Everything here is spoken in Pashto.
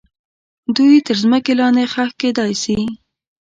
دوی تر مځکې لاندې ښخ کیدای سي.